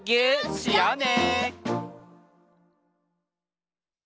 しようね！